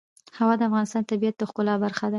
هوا د افغانستان د طبیعت د ښکلا برخه ده.